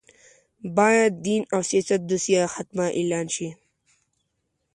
باید دین او سیاست دوسیه ختمه اعلان شي